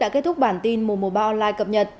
đã kết thúc bản tin mùa ba online cập nhật